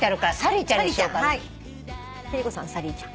貴理子さん「サリーちゃん」